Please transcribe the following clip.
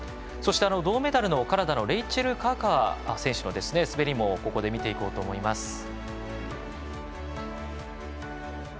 そして銅メダルのカナダレイチェル・カーカー選手の滑りもここで見ていこうと思います。